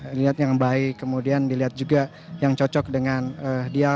dilihat yang baik kemudian dilihat juga yang cocok dengan dia